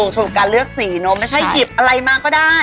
ส่วนการเลือกสีเนอะไม่ใช่หยิบอะไรมาก็ได้